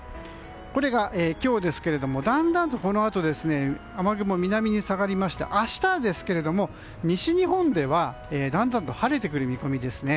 これが今日ですがだんだんとこのあと雨雲、南に下がりまして明日ですけれども、西日本ではだんだん晴れてくる見込みですね。